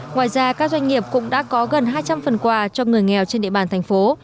ngoài ra các doanh nghiệp cũng đã có gần hai trăm linh phần quà cho người nghèo trên địa bàn thành phố